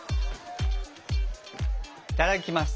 いただきます！